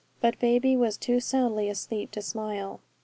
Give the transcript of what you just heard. But baby was too soundly asleep to smile.